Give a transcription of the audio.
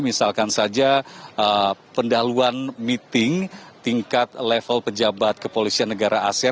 misalkan saja pendahuluan meeting tingkat level pejabat kepolisian negara asean